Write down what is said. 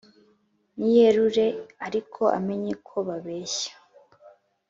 niyerure ariko amenya ko babeshya